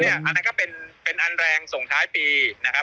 อันนั้นก็เป็นอันแรงส่งท้ายปีนะครับ